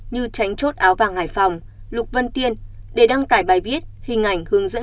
như tránh chốt áo vàng hải phòng lục vân tiên để đăng tải bài viết hình ảnh hướng dẫn